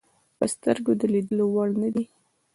په سترګو د لیدلو وړ نه دي.